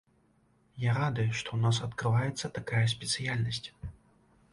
Я рады, што ў нас адкрываецца такая спецыяльнасць.